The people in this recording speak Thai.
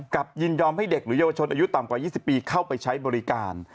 ยินยอมให้เด็กหรือเยาวชนอายุต่ำกว่า๒๐ปีเข้าไปใช้บริการ